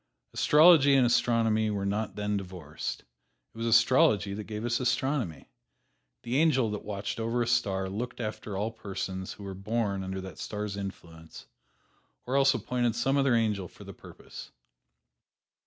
Astrology and astronomy were not then divorced. It was astrology that gave us astronomy. The angel that watched over a star looked after all persons who were born under that star's influence, or else appointed some other angel for the purpose.